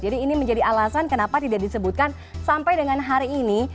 jadi ini menjadi alasan kenapa tidak disebutkan sampai dengan hari ini